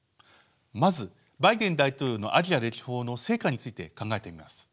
まずバイデン大統領のアジア歴訪の成果について考えてみます。